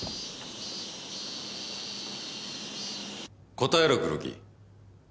答えろ黒木。